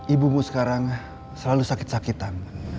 ibu ibu sekarang selalu sakit sakitan